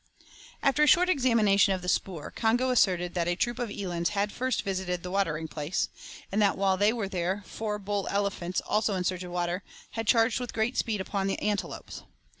After a short examination of the spoor, Congo asserted that a troop of elands had first visited the watering place, and that while they were there four bull elephants, also in search of water, had charged with great speed upon the antelopes.